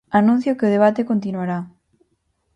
Anuncio que o debate continuará.